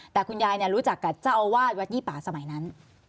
แต่คุณยายรู้จักกับเจ้าอาวาสวัดยี่ป่าสมัยนั้น